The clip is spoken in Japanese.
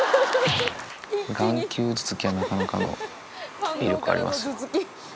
眼球頭突きはなかなか威力ありますよ。